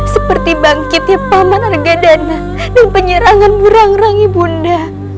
seperti bangkitnya paman argadana dan penyerangan murang rangi bunda